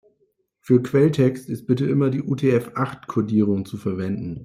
Für Quelltext ist bitte immer die UTF-acht-Kodierung zu verwenden.